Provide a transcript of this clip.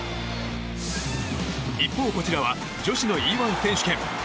一方、こちらは女子のＥ‐１選手権。